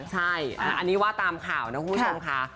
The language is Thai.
ใช่อันนี้ว่าตามข่าวนะคุณผู้ชมค่ะ